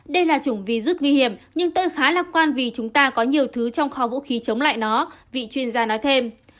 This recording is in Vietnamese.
đây là chủng virus nguy hiểm nhưng tôi khá lạc quan vì chúng ta có nhiều thứ trong kho vũ khí chống lại nó vị chuyên gia nói thêm